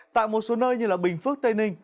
tại một số nơi như bình phước tây ninh